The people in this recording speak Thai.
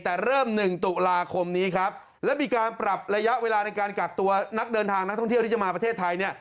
แต่เริ่ม๑ตุลาคมนี้ครับแล้วมีการปรับระยะเวลาในการกักตัวนักเดินทางนักท่องเที่ยวที่จะมาประเทศไทยเนี่ย